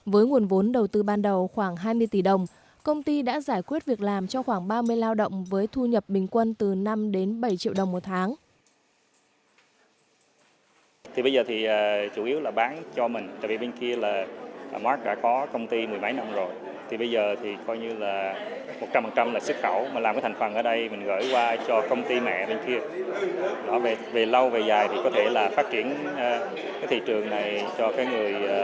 với nguồn vốn đầu tư ban đầu khoảng hai mươi tỷ đồng công ty đã giải quyết việc làm cho khoảng ba mươi lao động với thu nhập bình quân từ năm đến bảy triệu đồng một tháng